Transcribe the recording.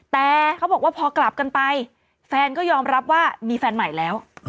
แต่เขาบอกว่าพอกลับกันไปแฟนก็ยอมรับว่ามีแฟนใหม่แล้ว